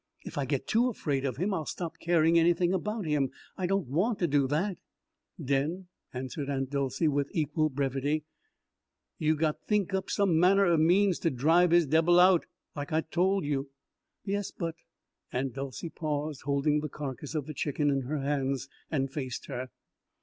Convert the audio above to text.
If I get too afraid of him I'll stop caring anything about him. I don't want to do that." "Den," answered Aunt Dolcey with equal brevity, "you got think up some manner er means to dribe his debbil out. Like I done tol' you." "Yes, but " Aunt Dolcey paused, holding the carcass of the chicken in her hands, and faced her.